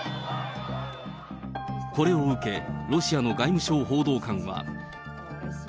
これを受け、ロシアの外務省報道官は。